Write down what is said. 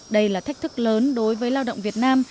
đây là thách thức lớn đối với lao động việt nam